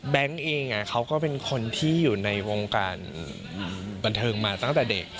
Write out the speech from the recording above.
เองเขาก็เป็นคนที่อยู่ในวงการบันเทิงมาตั้งแต่เด็ก